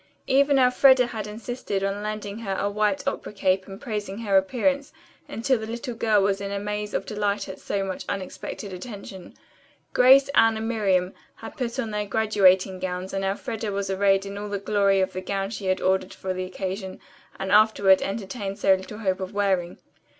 Even Elfreda had insisted on lending her a white opera cape and praising her appearance until the little girl was in a maze of delight at so much unexpected attention. Grace, Anne, and Miriam had put on their graduating gowns and Elfreda was arrayed in all the glory of the gown she had ordered for the occasion and afterward entertained so little hope of wearing.